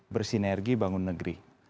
bersinergi bangun negeri